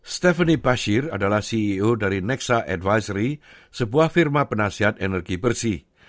stephanie bashir adalah ceo dari nexa advisory sebuah firma penasihat energi bersih